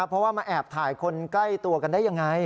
เพราะว่ามาแอบถ่ายคนใกล้ตัวกันได้ยังไง